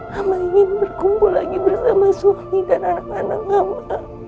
saya ingin berkumpul lagi bersama suami dan anak anak saya